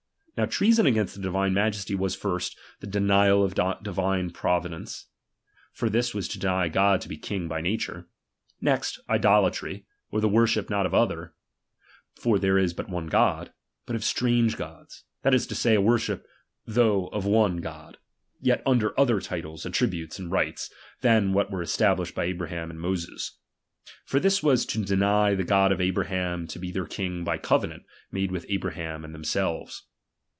Now treason against the Di "vine Majesty was, first, the denial of divine provi dence ; for this was to deny God to he a king hy stature : next, idolatry, or the worship not of other, (for there is but one God), but of strange Gods ; that is to say, a worship though of one God, yet under other titles, attributes, and rites, than what were established by Abraham and Moses ; for this was to deny the God of Abra ham to be their king hy covenant made with Abraham and tliemselves.